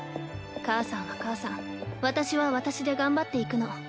母さんは母さん私は私で頑張っていくの。